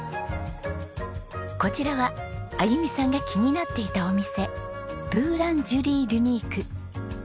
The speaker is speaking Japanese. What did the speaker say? こちらはあゆみさんが気になっていたお店ブーランジュリールニーク。